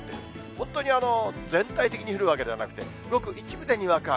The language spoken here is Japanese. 本当に全体的に降るわけではなくて、ごく一部でにわか雨。